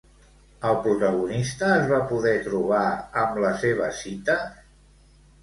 El protagonista es va poder trobar amb la seva cita?